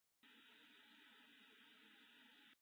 今日は良い天気です